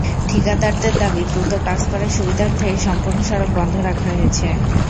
ঠিকাদারদের দাবি, দ্রুত কাজ করার সুবিধার্থে সম্পূর্ণ সড়ক বন্ধ রাখা হয়েছে।